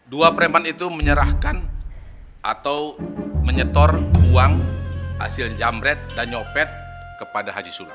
dua preman itu menyerahkan atau menyetor uang hasil jambret dan nyopet kepada haji sulat